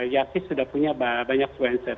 yasis sudah punya banyak